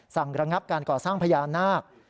สั่งรังงับการก่อสร้างพยานนัก